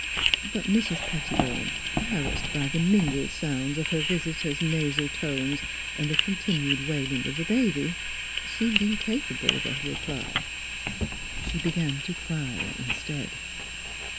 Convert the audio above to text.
" But Mrs. Pettibone, harassed by the mingled sounds of her visitor's nasal tones and the con tinued wailing of the baby, seemed incapable of a reply. She began to cry instead.